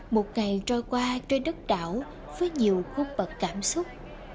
một ngày trôi qua trên đất đảo với nhiều khúc bật cảm xúc